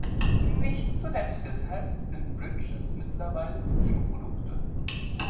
Nicht zuletzt deshalb sind Bridges mittlerweile Nischenprodukte.